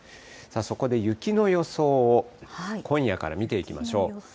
そこで雪の予想を今夜から見ていきましょう。